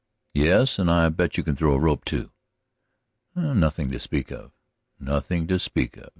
"Yes, and I bet you can throw a rope, too." "Nothing to speak of." "Nothing to speak of!